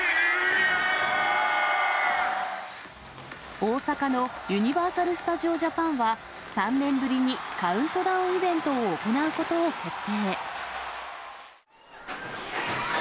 大阪のユニバーサル・スタジオ・ジャパンは、３年ぶりにカウントダウンイベントを行うことを決定。